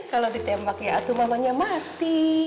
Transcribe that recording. kalau ditembak ya itu mamanya mati